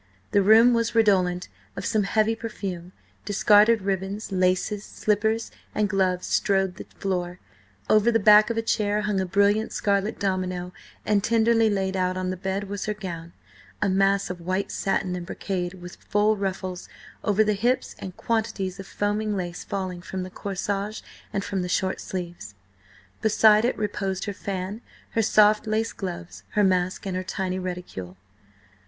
The room was redolent of some heavy perfume; discarded ribbons, laces, slippers and gloves strewed the floor; over the back of a chair hung a brilliant scarlet domino, and tenderly laid out on the bed was her gown, a mass of white satin and brocade, with full ruffles over the hips and quantities of foaming lace falling from the corsage and from the short sleeves. Beside it reposed her fan, her soft lace gloves, her mask and her tiny reticule.